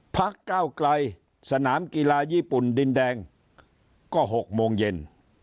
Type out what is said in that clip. พักเก้าไกลสนามกีฬาญี่ปุ่นดินแดงก็๖โมงเย็น